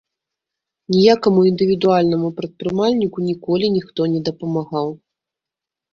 Ніякаму індывідуальнаму прадпрымальніку ніколі ніхто не дапамагаў.